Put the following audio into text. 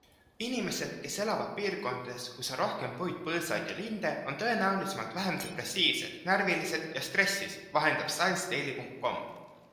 Inimesed, kes elavad piirkondades, kus on rohkem puid-põõsaid ja linde, on tõenäolisemalt vähem depressiivsed, närvilised ja stressis, vahendab ScienceDaily.com.